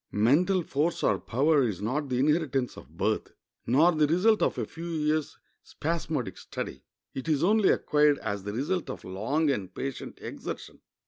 Mental force or power is not the inheritance of birth, nor the result of a few years' spasmodic study; it is only acquired as the result of long and patient exertion.